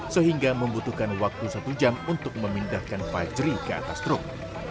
sehingga membutuhkan waktu satu jam untuk memindahkan fajri ke atas truk